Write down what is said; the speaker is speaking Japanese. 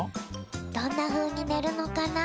どんなふうにねるのかな？